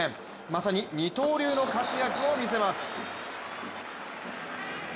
まさに二刀流の活躍を見せます。